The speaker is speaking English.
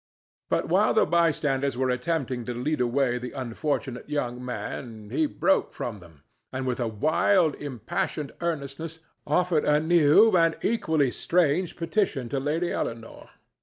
But while the bystanders were attempting to lead away the unfortunate young man he broke from them and with a wild, impassioned earnestness offered a new and equally strange petition to Lady Eleanore.